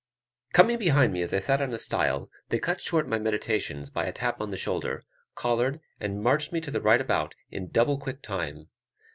Coming behind me as I sat on a stile, they cut short my meditations by a tap on the shoulder, collared and marched me to the right about in double quick time.